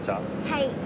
はい。